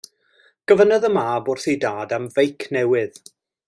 Gofynnodd y mab wrth ei dad am feic newydd.